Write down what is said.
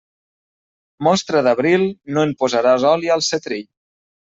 Mostra d'abril, no en posaràs oli al setrill.